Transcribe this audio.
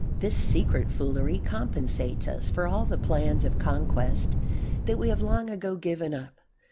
This secret foolery compensates us for all the plans of conquest that we have long ago given up.